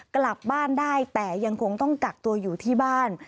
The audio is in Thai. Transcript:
กลับบ้านได้แต่ยังคงต้องกักตัวอยู่ที่บ้าน